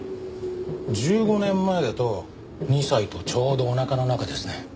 １５年前だと２歳とちょうどおなかの中ですね。